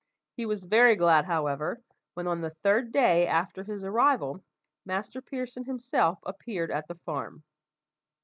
He was very glad, however, when on the third day after his arrival Master Pearson himself appeared at the farm.